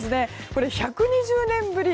これは１２０年ぶり